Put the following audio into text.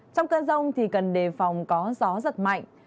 trong cơn rông thì cần đề phòng có gió giật mạnh